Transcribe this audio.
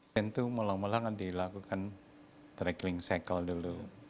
tentu melang lang dilakukan tracking cycle dulu